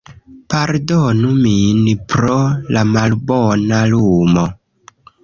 Pardonu min pro la malbona lumo